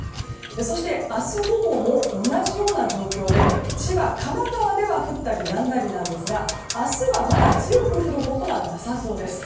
そして明日午後も同じような状況で千葉、神奈川では降ったりやんだりですが明日は、まだ強く降ることはなさそうです。